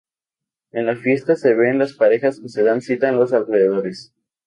En la fiesta se ven las parejas que se dan cita en los alrededores.